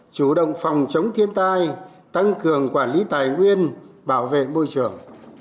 chủ động phòng chống thiên tai tăng cường quản lý tài nguyên bảo vệ môi trường